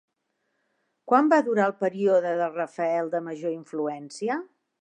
Quan va durar el període de Rafael de major influència?